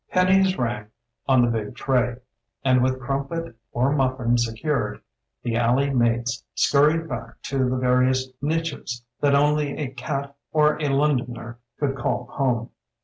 Pennies rang on the big tray, and with crumpet or muffin secured the alley mates scurried back to the vari ous niches, niches that only a cat or a Londoner could call home.